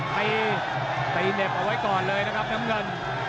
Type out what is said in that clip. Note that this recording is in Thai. ตีตีเหน็บเอาไว้ก่อนเลยนะครับน้ำเงิน